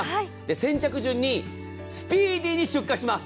先着順にスピーディに出荷します。